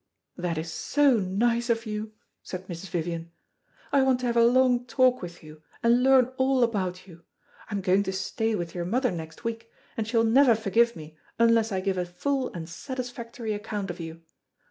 "That is so nice of you," said Mrs. Vivian. "I want to have a long talk with you, and learn all about you. I am going to stay with your mother next week, and she will never forgive me unless I give a full and satisfactory account of you.